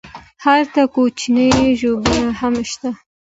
هلته کوچنی ژوبڼ هم شته.